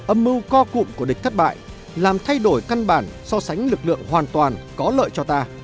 âm mưu co cụm của địch thất bại làm thay đổi căn bản so sánh lực lượng hoàn toàn có lợi cho ta